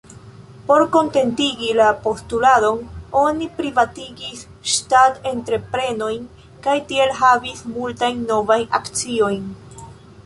Por kontentigi la postuladon oni privatigis ŝtat-entreprenojn kaj tiel havis multajn novajn akciojn.